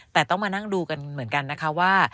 แต่ต้องมานั่งดูกันเหมือนกันนะคะว่า